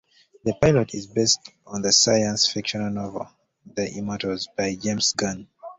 The pilot is based on the science fiction novel "The Immortals", by James Gunn.